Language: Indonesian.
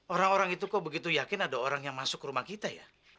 orang orang itu kok begitu yakin ada orang yang masuk ke rumah kita ya